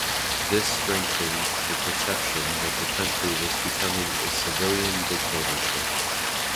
This strengthened the perception that the country was becoming a civilian dictatorship.